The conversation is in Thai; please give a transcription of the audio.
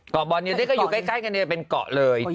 เกาะบอร์เนียวนี่ก็อยู่ใกล้กันเลยเป็นเกาะเลย